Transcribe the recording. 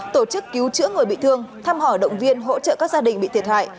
tổ chức cứu chữa người bị thương thăm hỏi động viên hỗ trợ các gia đình bị thiệt hại